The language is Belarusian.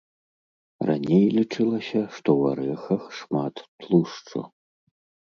Раней лічылася, што ў арэхах шмат тлушчу.